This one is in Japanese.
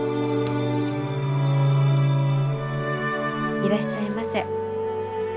いらっしゃいませ。